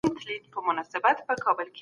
هیڅکله بې بنسټه فرضیې مه طرحه کوئ.